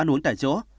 ăn uống tại chỗ